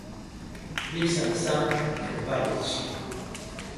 Leave sand sand for bar beach.